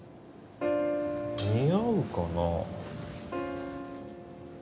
似合うかな？